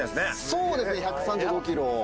そうですね１３５キロ。